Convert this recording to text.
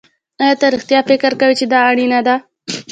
ایا ته رښتیا فکر کوې چې دا اړینه ده